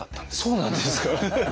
そうなんですか？